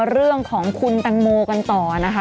เรื่องของคุณตังโมกันต่อนะคะ